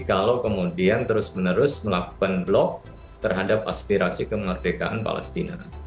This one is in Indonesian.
kalau kemudian terus menerus melakukan blog terhadap aspirasi kemerdekaan palestina